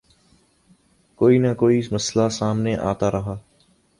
کوئی نہ کوئی مسئلہ سامنے آتا رہا۔